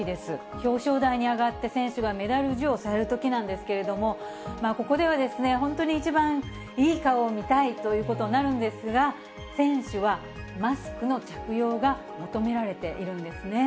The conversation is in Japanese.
表彰台に上がって、選手がメダル授与されるときなんですけれども、ここでは本当に一番いい顔を見たいということになるんですが、選手はマスクの着用が求められているんですね。